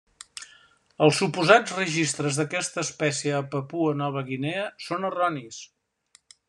Els suposats registres d'aquesta espècie a Papua Nova Guinea són erronis.